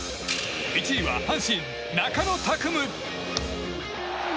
１位は阪神、中野拓夢。